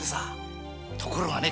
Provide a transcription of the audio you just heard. ところがね